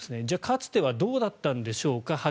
じゃあ、かつてはどうだったんでしょうか。